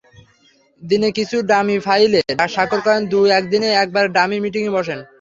দিনে কিছু ডামি ফাইলে স্বাক্ষর করেন, দু-এক দিনে একবার ডামি মিটিংয়ে বসেন।